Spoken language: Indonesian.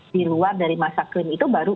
di luar dari masa klaim itu baru